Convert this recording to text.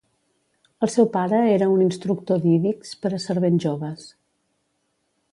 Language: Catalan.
El seu pare era un instructor d'ídix per a servents joves.